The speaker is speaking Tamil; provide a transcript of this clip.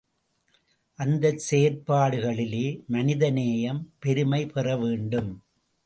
அந்த செயற்பாடுகளிலே மனித நேயம் பெருமை பெற வேண்டும்.